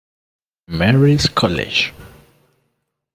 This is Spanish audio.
Mary's College.